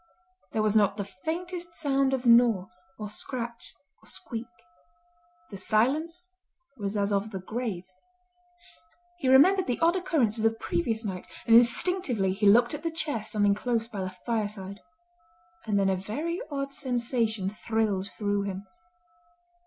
There was not the faintest sound of gnaw, or scratch, or squeak. The silence was as of the grave. He remembered the odd occurrence of the previous night, and instinctively he looked at the chair standing close by the fireside. And then a very odd sensation thrilled through him.